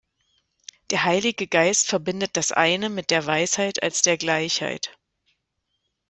Der Heilige Geist verbindet das Eine mit der Weisheit als der Gleichheit.